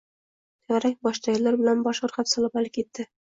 Tevarak-boshdagilar bilan bosh irg‘ab salom-alik etdi.